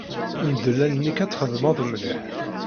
Mdel allen-ik ad txemmmeḍ mliḥ.